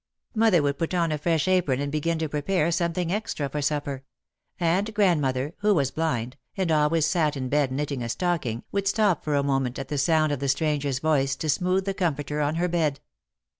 Mother would put on a fresh apron and begin to pre pare something extra for supper. And grandmother, who was blind, and always sat in bed knitting a stocking, would stop for a moment at the sound of the stranger's voice to smooth the comforter on her bed.